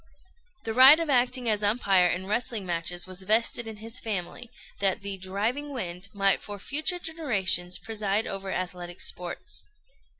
The right of acting as umpire in wrestling matches was vested in his family, that the "Driving Wind" might for future generations preside over athletic sports.